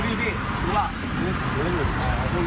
มันพูดแรงเลย